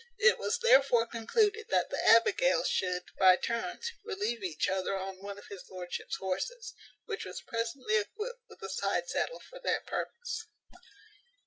It was therefore concluded that the Abigails should, by turns, relieve each other on one of his lordship's horses, which was presently equipped with a side saddle for that purpose.